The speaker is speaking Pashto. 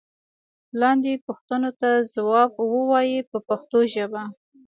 لاندې پوښتنو ته ځواب و وایئ په پښتو ژبه.